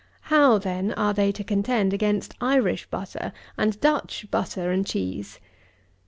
How, then, are they to contend against Irish butter and Dutch butter and cheese?